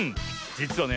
じつはね